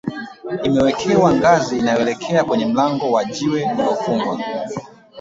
imewekewa ngazi inayoelekea kwenye mlango wa jiwe uliyofungwa